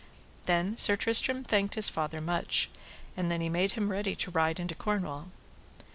Then Sir Tristram thanked his father much. And then he made him ready to ride into Cornwall.